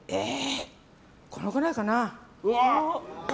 このくらいかな。